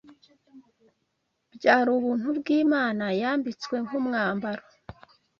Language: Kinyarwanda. byari ubuntu bw’Imana yambitswe nk’umwambaro